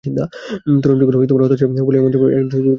তরুণযুগল হতাশ হয়ে পড়ল, এমন সময় এক চতুর ঘটক এসে কার্যোদ্ধার করলে।